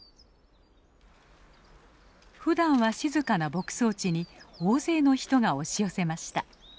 ふだんは静かな牧草地に大勢の人が押し寄せました。